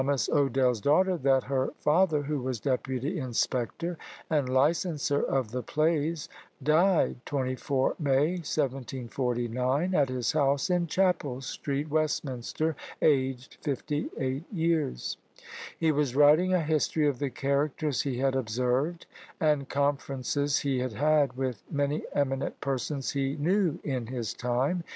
Odell's daughter, that her father, who was Deputy Inspector and Licenser of the Plays, died 24 May, 1749, at his house in Chappel street, Westminster, aged 58 years. He was writing a history of the characters he had observed, and conferences he had had with many eminent persons he knew in his time.